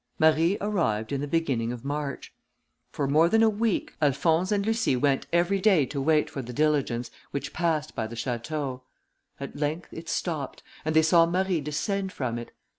Marie arrived in the beginning of March. For more than a week, Alphonse and Lucie went every day to wait for the diligence, which passed by the château. At length it stopped, and they saw Marie descend from it.